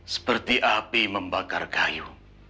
seperti api membakar kayu